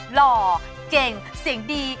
หล่อเก่งเสียงดี